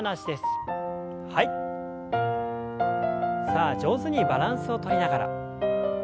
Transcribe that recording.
さあ上手にバランスをとりながら。